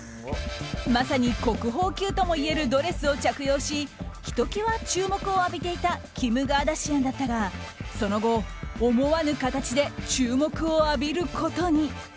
まさに国宝級ともいえるドレスを着用しひときわ注目を浴びていたキム・カーダシアンだったがその後、思わぬ形で注目を浴びることに。